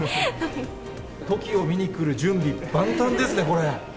トキを見に来る準備万端ですね、これ。